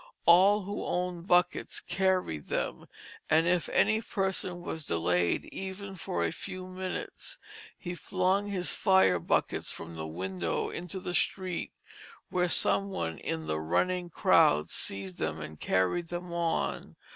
All who owned buckets carried them, and if any person was delayed even for a few minutes, he flung his fire buckets from the window into the street, where some one in the running crowd seized them and carried them on.